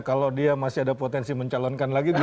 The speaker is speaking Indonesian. kalau dia masih ada potensi mencalonkan lagi